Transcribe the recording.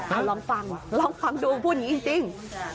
เอาลองฟังลองฟังดูพูดอย่างนี้จริง